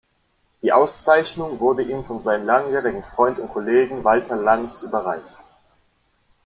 Die Auszeichnung wurde ihm von seinem langjährigen Freund und Kollegen Walter Lantz überreicht.